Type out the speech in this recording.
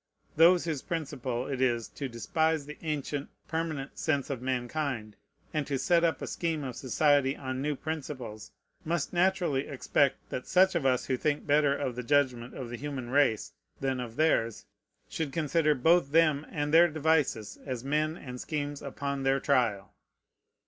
Those whose principle it is to despise the ancient, permanent sense of mankind, and to set up a scheme of society on new principles, must naturally expect that such of us who think better of the judgment of the human race than, of theirs should consider both them and their devices as men and schemes upon their trial.